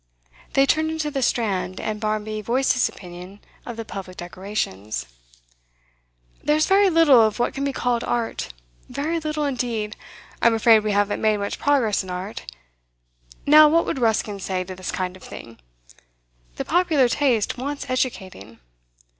They turned into the Strand, and Barmby voiced his opinion of the public decorations. 'There's very little of what can be called Art, very little indeed. I'm afraid we haven't made much progress in Art. Now what would Ruskin say to this kind of thing? The popular taste wants educating.